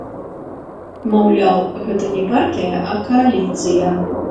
Маўляў, гэта не партыя, а кааліцыя.